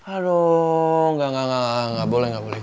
aduh gak boleh gak boleh